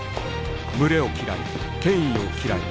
群れを嫌い権威を嫌い